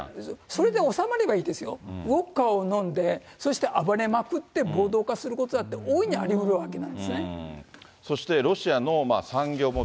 それで収まればいいですよ、ウォッカを飲んで、そして暴れまくって暴動化することだって大いにありうるわけなんそしてロシアの産業も。